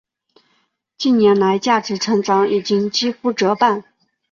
近年来价值成长已经几乎折半。